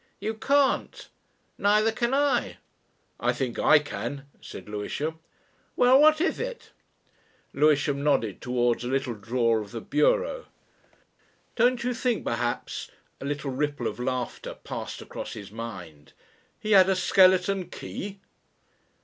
You can't. Neither can I." "I think I can," said Lewisham. "Well what is it?" Lewisham nodded towards a little drawer of the bureau. "Don't you think perhaps" a little ripple of laughter passed across his mind "he had a skeleton key?"